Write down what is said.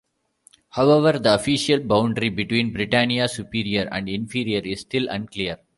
However, the official boundary between Britannia Superior and Inferior is still unclear.